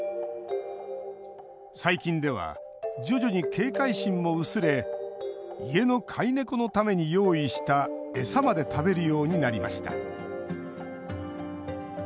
最近では、徐々に警戒心も薄れ家の飼い猫のために用意した餌まで食べるようになりました。